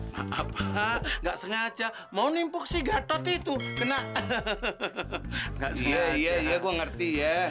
maaf nggak sengaja mau nimpuk si gato itu kena hehehehe nggak sengaja iya iya iya gue ngerti ya